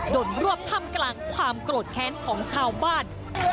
โดนรวบทำกลางความโกรธแค้นของชาวบ้าน